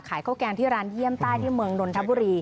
ข้าวแกงที่ร้านเยี่ยมใต้ที่เมืองนนทบุรี